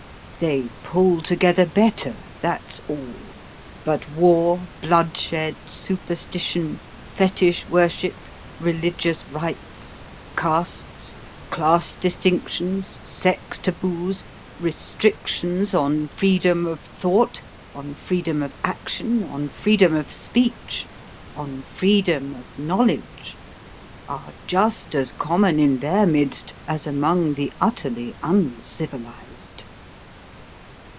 They pull together better, that's all; but war, bloodshed, superstition, fetich worship, religious rites, castes, class distinctions, sex taboos, restrictions on freedom of thought, on freedom of action, on freedom of speech, on freedom of knowledge, are just as common in their midst as among the utterly uncivilised."